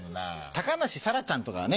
高梨沙羅ちゃんとかはね。